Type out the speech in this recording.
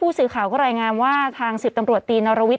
ผู้ต้องหาที่ขับขี่รถจากอายานยนต์บิ๊กไบท์